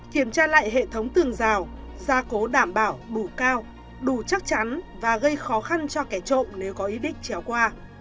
kiểm tra lại hệ thống tường rào gia cố đảm bảo đủ cao đủ chắc chắn và gây khó khăn cho kẻ trộm nếu có ý định trèo qua